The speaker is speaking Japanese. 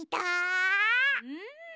うん。